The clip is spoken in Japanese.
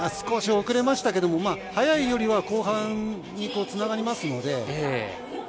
少し遅れましたけど早いよりは後半につながりますので。